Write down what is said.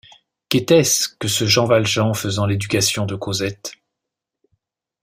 Qu’était-ce que ce Jean Valjean faisant l’éducation de Cosette?